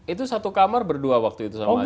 itu satu kamar berdua waktu itu sama